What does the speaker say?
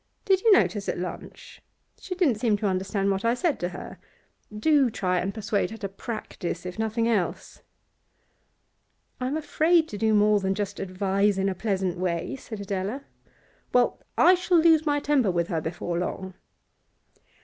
Did you notice at lunch? she didn't seem to understand what I said to her. Do try and persuade her to practise, if nothing else.' 'I am afraid to do more than just advise in a pleasant way,' said Adela. 'Well, I shall lose my temper with her before long.